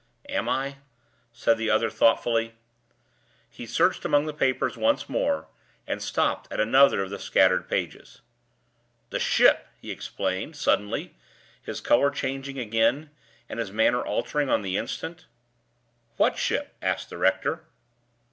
"Am I?" said the other, thoughtfully. He searched among the papers once more, and stopped at another of the scattered pages. "The ship!" he exclaimed, suddenly, his color changing again, and his manner altering on the instant. "What ship?" asked the rector.